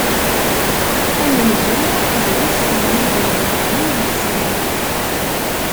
Amenzu d "Wissen ma ad am-yexdem leḥsan."